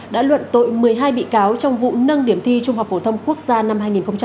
đã luận tội một mươi hai bị cáo trong vụ nâng điểm thi trung học phổ thông quốc gia năm hai nghìn một mươi tám